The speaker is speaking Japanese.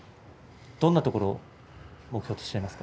どんなところを目標にしていますか？